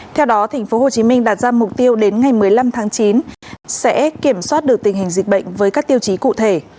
theo đó tp hcm đặt ra mục tiêu đến ngày một mươi năm tháng chín sẽ kiểm soát được tình hình dịch bệnh với các tiêu chí cụ thể